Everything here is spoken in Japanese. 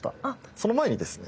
その前にですね。